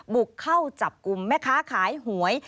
บุกเข้าจับกลุ่มแม่ค้าขายหวย